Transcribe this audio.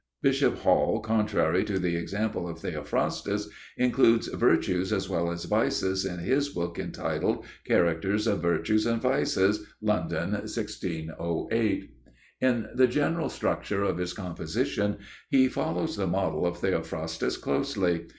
Bishop Hall, contrary to the example of Theophrastus, includes virtues as well as vices in his book entitled Characters of Vertues and Vices (London, 1608). In the general structure of his composition he follows the model of Theophrastus closely.